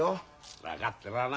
分かってらあな。